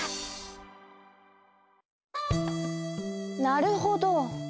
なるほど。